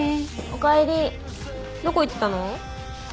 おかえりどこ行ってたの？